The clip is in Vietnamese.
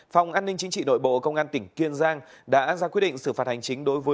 phòng an ninh chính trị nội bộ công an tỉnh yên giang đã ra quyết định